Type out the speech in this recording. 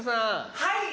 はい。